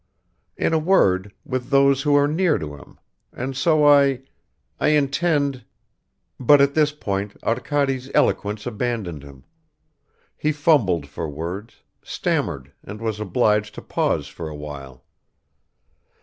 . in a word, with those who are near to him, and so I ... I intend ..." But at this point Arkady's eloquence abandoned him; he fumbled for words, stammered and was obliged to pause for a while.